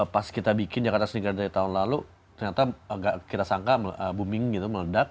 pas kita bikin jakarta sneaker dari tahun lalu ternyata agak kita sangka booming gitu meledak